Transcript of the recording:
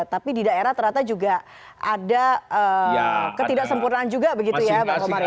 tapi di daerah ternyata juga ada ketidaksempurnaan juga begitu ya pak om maria